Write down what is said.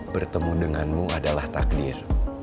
bertemu denganmu adalah takdir